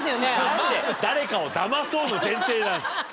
なんで誰かをだまそうの前提なんですか。